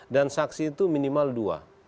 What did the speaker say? dan saksi itu minimal dua